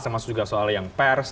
termasuk juga soal yang pers